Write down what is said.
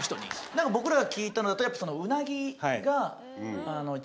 何か僕らが聞いたのだと。